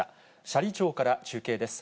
斜里町から中継です。